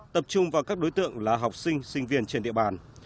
tập trung vào các đối tượng là học sinh sinh viên trên địa bàn